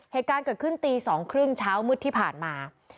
เหตุการณ์เกิดขึ้นตี๒๓๐เช้ามืดที่ผ่านมา